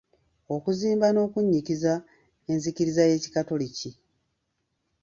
Okuzimba n'okunnyikiza enzikiriza y'ekikatoliki.